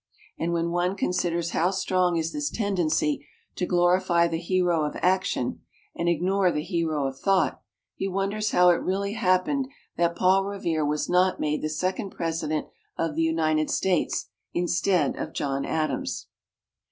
And when one considers how strong is this tendency to glorify the hero of action, and ignore the hero of thought, he wonders how it really happened that Paul Revere was not made the second President of the United States instead of John Adams.